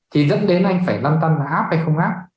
thì dẫn đến anh phải lâm tâm là áp hay không áp